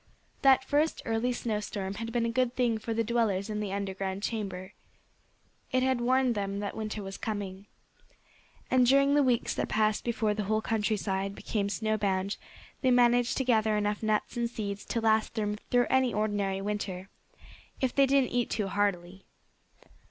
That first early snowstorm had been a good thing for the dwellers in the underground chamber. It had warned them that winter was coming. And during the weeks that passed before the whole countryside became snow bound they managed to gather enough nuts and seeds to last them through any ordinary winter if they didn't eat too heartily.